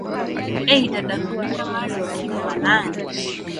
eida daquna maarufu kama nani